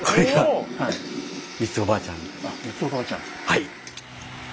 はい。